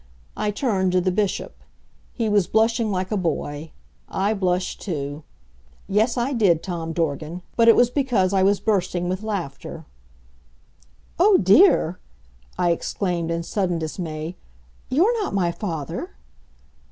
I turned to the Bishop. He was blushing like a boy. I blushed, too. Yes, I did, Tom Dorgan, but it was because I was bursting with laughter. "Oh, dear!" I exclaimed in sudden dismay. "You're not my father."